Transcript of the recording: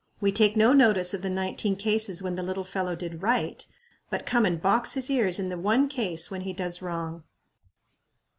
We take no notice of the nineteen cases when the little fellow did right, but come and box his ears in the one case when he does wrong.